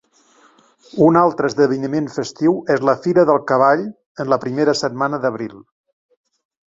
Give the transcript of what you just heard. Un altre esdeveniment festiu és la Fira del Cavall, en la primera setmana d'abril.